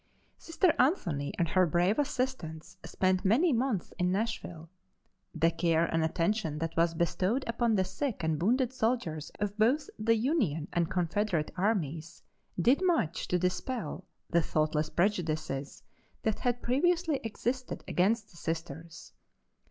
. Sister Anthony and her brave assistants spent many months in Nashville. The care and attention that was bestowed upon the sick and wounded soldiers of both the Union and Confederate armies did much to dispel the thoughtless prejudices that had previously existed against the Sisters.